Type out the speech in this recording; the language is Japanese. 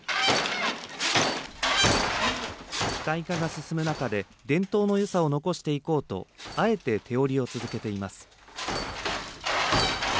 機械化が進む中で伝統のよさを残していこうとあえて手織りを続けています。